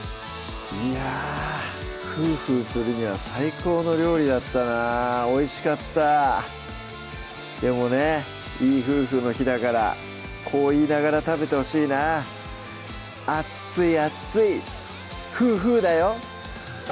いやフーフーするには最高の料理だったなおいしかったでもねいい夫婦の日だからこう言いながら食べてほしいな「あっついあっつい！」